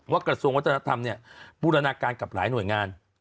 กระทรวงวัฒนธรรมเนี่ยบูรณาการกับหลายหน่วยงาน